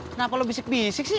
kenapa lo bisik bisik sih